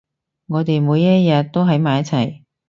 我哋每一日都喺埋一齊